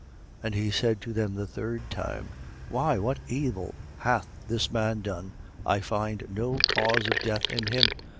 23:22. And he said to them the third time: Why, what evil hath this man done? I find no cause of death in him.